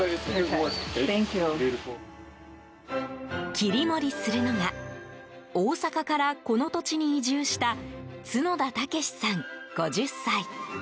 切り盛りするのが大阪から、この土地に移住した角田雄士さん、５０歳。